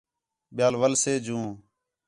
ٻِیال وَل سے جُو